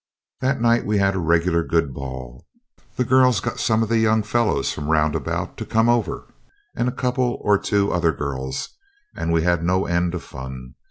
That night we had a regular good ball. The girls got some of the young fellows from round about to come over, and a couple or two other girls, and we had no end of fun.